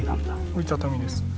折りたたみです。